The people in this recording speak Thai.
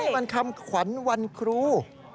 มันคำขวัญวันครู